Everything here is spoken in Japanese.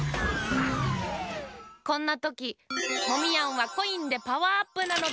こんなときモミヤンはコインでパワーアップなのだ。